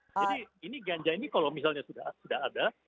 jadi ini ganja ini kalau misalnya sudah ada